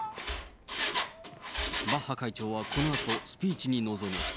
バッハ会長はこのあとスピーチに臨む。